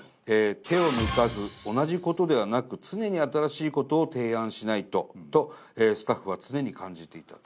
手を抜かず同じ事ではなく常に新しい事を提案しないととスタッフは常に感じていたと。